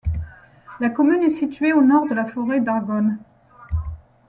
La commune est située au nord de la forêt d'Argonne.